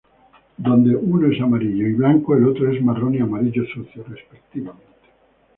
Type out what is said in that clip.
Donde uno es amarillo y blanco, el otro es marrón y amarillo sucio, respectivamente.